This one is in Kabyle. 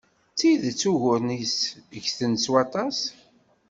D tidet, uguren-is ggten s waṭṭas.